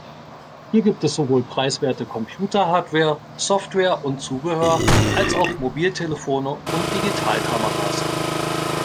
Hier gibt es sowohl preiswerte Computer-Hardware, Software und Zubehör, als auch Mobil-Telefone und Digital-Cameras.